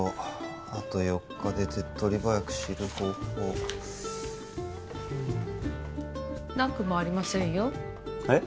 あと４日で手っ取り早く知る方法うんなくもありませんよえッ？